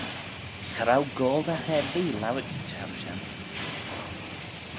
Cha row goaldagh erbee lowit 'sy çhapp shen.